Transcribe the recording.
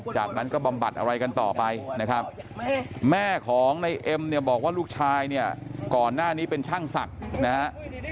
อเจมส์เนี่ยบอกว่าลูกชายเนี่ยก่อนหน้านี้เป็นช่างศักดิ์นะฮะ